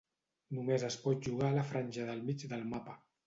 Només es pot jugar a la franja del mig del mapa.